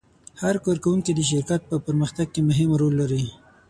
هر کارکوونکی د شرکت په پرمختګ کې مهم رول لري.